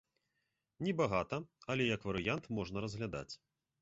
Небагата, але як варыянт можна разглядаць.